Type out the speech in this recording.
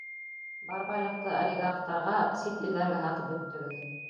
Бар байлыҡты олигархтарға, сит илдәргә һатып бөттөгөҙ!